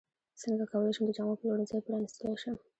څنګه کولی شم د جامو پلورنځی پرانستلی شم